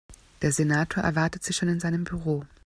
Der Senator erwartet Sie schon in seinem Büro.